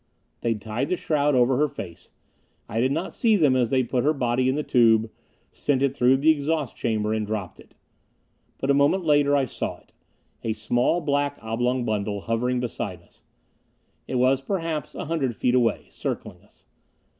They tied the shroud over her face. I did not see them as they put her body in the tube, sent it through the exhaust chamber, and dropped it. But a moment later I saw it a small black oblong bundle hovering beside us. It was perhaps a hundred feet away, circling us.